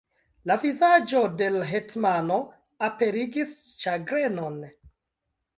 La vizaĝo de l' hetmano aperigis ĉagrenon.